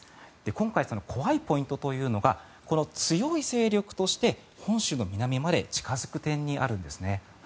今回、怖いポイントというのが強い勢力として本州の南まで近付く点にあるんです。